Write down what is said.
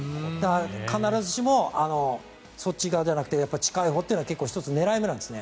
必ずしもそっち側じゃなくて近いほうというのは１つ狙い目なんですね。